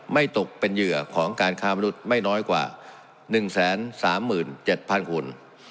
ตกเป็นเหยื่อของการค้ามนุษย์ไม่น้อยกว่า๑๓๗๐๐คน